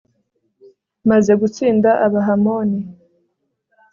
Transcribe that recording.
maze gutsinda abahamoni